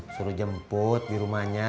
suruh jemput di rumahnya